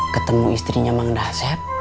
ketemu istrinya mang dasyep